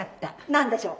何でしょう？